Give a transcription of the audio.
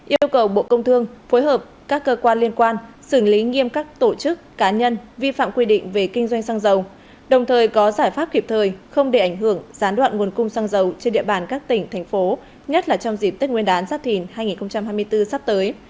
yêu cầu bộ công thương phối hợp các cơ quan liên quan xử lý nghiêm các tổ chức cá nhân vi phạm quy định về kinh doanh xăng dầu đồng thời có giải pháp kịp thời không để ảnh hưởng gián đoạn nguồn cung xăng dầu trên địa bàn các tỉnh thành phố nhất là trong dịp tết nguyên đán giáp thìn hai nghìn hai mươi bốn sắp tới